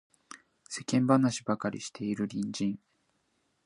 世間話ばかりしている隣人